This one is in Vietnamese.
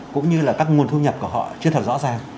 cũng như là các nguồn thu nhập của họ chưa thật rõ ràng